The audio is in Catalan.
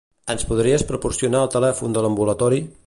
Ens podries proporcionar el telèfon de l'ambulatori?